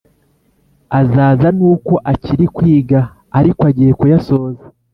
Azaza nuko akiri kwiga ariko agiye kuyasoza